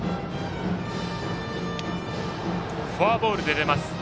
フォアボールで出ます。